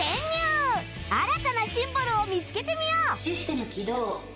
新たなシンボルを見つけてみよう